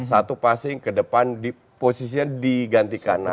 satu passing ke depan posisinya digantikan